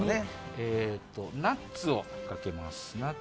ナッツをかけます。